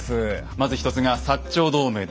まず一つが「長同盟」です。